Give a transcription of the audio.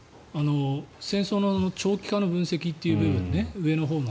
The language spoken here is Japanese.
戦争の長期化の分析という部分。